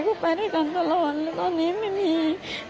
ก็ไปด้วยกันตลอดแล้วตอนนี้ไม่มี